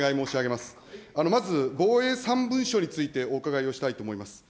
まず防衛３文書についてお伺いをしたいと思います。